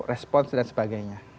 respon dan sebagainya